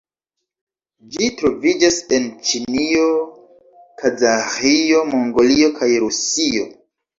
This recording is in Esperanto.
Ĝi troviĝas en Ĉinio, Kazaĥio, Mongolio kaj Rusio.